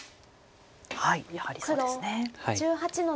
やはりそうですね。